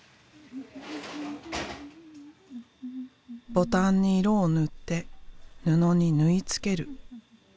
ボタンに色を塗って布に縫い付ける。